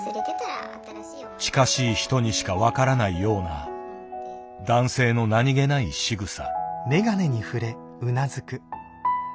近しい人にしか分からないような男性の何気ないしぐさ。